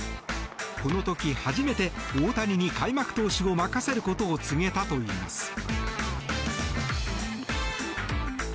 この時、初めて大谷に開幕投手を任せることを告げたといいます。